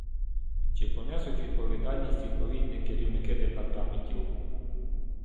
Чи понесуть відповідальність відповідні керівники департаментів?